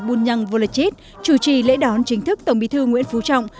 bùn nhân vô lạch chít chủ trì lễ đón chính thức tổng bí thư nguyễn phú trọng